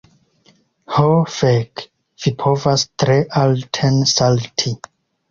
Ho fek', vi povas tre alten salti.